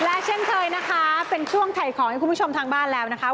และเช่นเคยนะคะเป็นช่วงถ่ายของให้คุณผู้ชมทางบ้านแล้วนะคะ